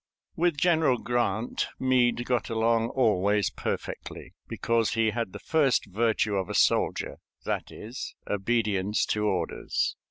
With General Grant Meade got along always perfectly, because he had the first virtue of a soldier that is, obedience to orders.